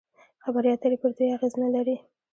خبرې اترې پر دوی اغېز نلري.